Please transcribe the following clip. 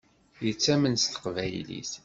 Yettamen s teqbaylit.